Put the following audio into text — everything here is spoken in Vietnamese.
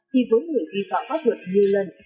khi vốn người vi phạm pháp luật nhiều lần